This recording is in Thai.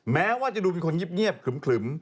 แม้ว่าจะดูเป็นคนเงียบขึม